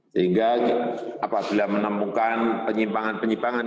sehingga apabila menemukan penyimpangan penyimpangan